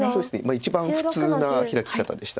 一番普通なヒラキ方でした。